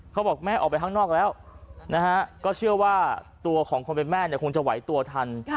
เขาบอกแม่ออกไปข้างนอกแล้วก็เชื่อว่าตัวของคนเป็นแม่คงจะไหวตัวทัน